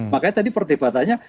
makanya tadi perdebatannya